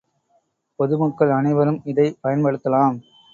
பொது மக்கள் அனைவரும் இதை பயன்படுத்தலாம்.